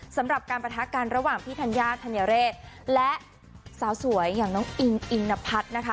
สำหรับการประทะกันระหว่างพี่ธัญญาธัญเรศและสาวสวยอย่างน้องอิงอิงนพัฒน์นะคะ